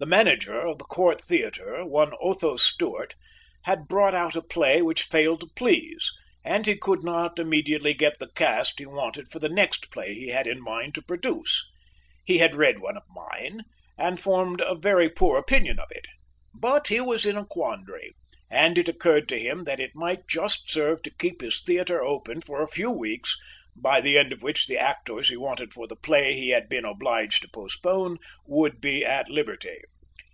The manager of the Court Theatre, one Otho Stuart, had brought out a play which failed to please, and he could not immediately get the cast he wanted for the next play he had in mind to produce. He had read one of mine, and formed a very poor opinion of it; but he was in a quandary, and it occurred to him that it might just serve to keep his theatre open for a few weeks, by the end of which the actors he wanted for the play he had been obliged to postpone would be at liberty.